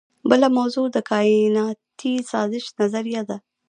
بله موضوع د کائناتي سازش نظریه ده.